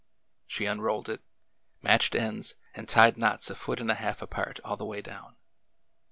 She unrolled it, matched ends, and tied knots a foot and a half apart all the way down.